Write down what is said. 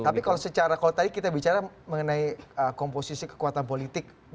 tapi kalau tadi kita bicara mengenai komposisi kekuatan politik